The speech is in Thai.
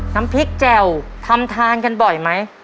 น้ำพริกแจ่วทำทานกันบ่อยไหม